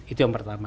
itu yang pertama